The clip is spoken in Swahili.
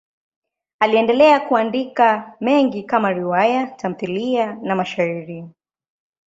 Aliendelea kuandika mengi kama riwaya, tamthiliya na mashairi.